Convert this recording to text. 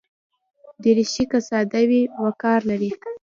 دریشي که ساده وي، وقار لري.